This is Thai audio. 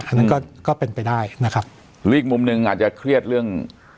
อันนั้นก็ก็เป็นไปได้นะครับหรืออีกมุมหนึ่งอาจจะเครียดเรื่อง